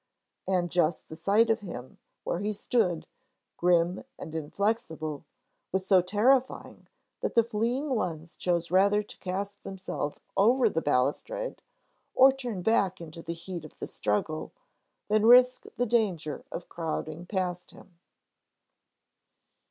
And just the sight of him, where he stood, grim and inflexible, was so terrifying that the fleeing ones chose rather to cast themselves over the balustrade or turn back into the heat of the struggle, than risk the danger of crowding past him.